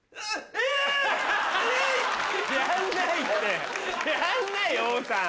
えい！やんないよ王さん。